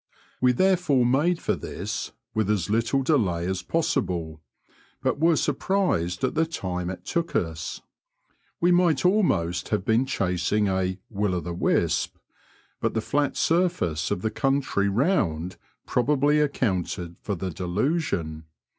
We therefore made for this with as little delay as possible, but were surprised at the time it took us. We might almost have been chasing a will o the wisp ;" but the flat surface of the country round probably accounted for the deluHion.